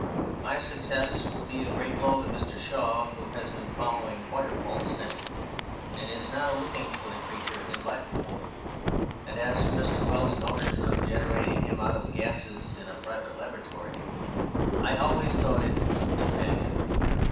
My success will be a great blow to Mr. Shaw, who has been following quite a false scent, and is now looking for the creature in Blackpool; and as for Mr. Wells's notion of generating him out of gases in a private laboratory, I always thought it doomed to failure.